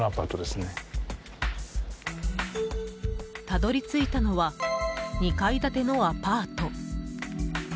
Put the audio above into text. たどり着いたのは２階建てのアパート。